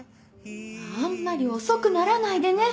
あんまり遅くならないでね。